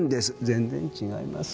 全然違います。